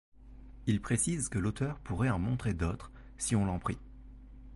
Il précise que l’auteur pourrait en montrer d’autres si on l'en prie.